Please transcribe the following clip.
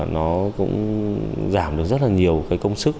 nó cũng giảm được rất là nhiều cái công sức